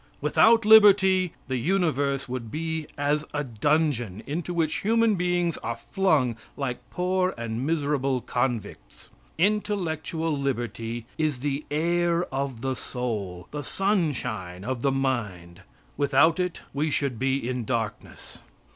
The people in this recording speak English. Without liberty, the universe would be as a dungeon into which human beings are flung like poor and miserable convicts. Intellectual liberty is the air of the soul, the sunshine of the mind. Without it we should be in darkness.